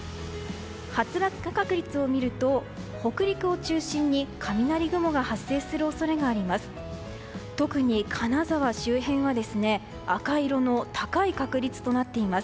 発雷確率を見ると、北陸を中心に雷雲が発生する恐れがあります。